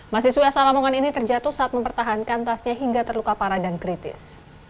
mahasiswa asal lamongan ini terjatuh saat mempertahankan tasnya hingga terluka parah dan kritis